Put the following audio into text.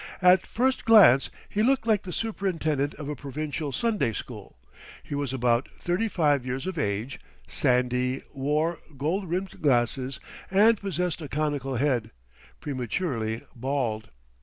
At first glance he looked like the superintendent of a provincial Sunday school. He was about thirty five years of age, sandy, wore gold rimmed glasses and possessed a conical head, prematurely bald.